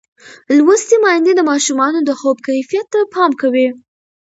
لوستې میندې د ماشومانو د خوب کیفیت ته پام کوي.